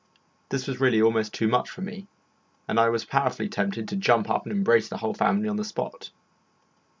This was really almost too much for me, and I was powerfully tempted to jump up and embrace the whole family on the spot.